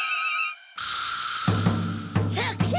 作戦！